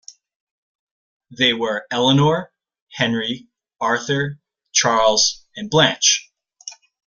They were Eleanor, Henry Arthur, Charles, and Blanche.